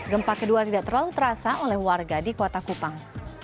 gempa kedua tidak terlalu terasa oleh warga di kota kupang